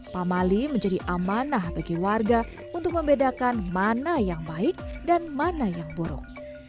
pamali menjadi amanah bagi warga untuk membedakan mana yang baik dan mana yang buruk